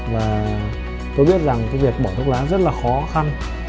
và tôi biết rằng cái việc bỏ thuốc lá rất là khó khăn